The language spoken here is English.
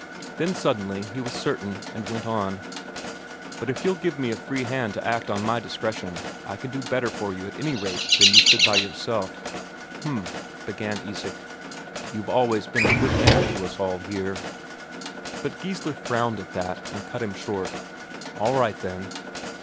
Then suddenly he was certain, and went on: "But if you'll give me a free hand to act on my discretion, I can do better for you at any rate than you could by yourself." "H'm," began Isak. "You've always been a good man to us all here...." But Geissler frowned at that, and cut him short: "All right, then."